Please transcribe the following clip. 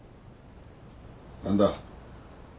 何だ？